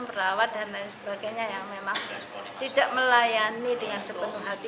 merawat dan lain sebagainya yang memang tidak melayani dengan sepenuh hati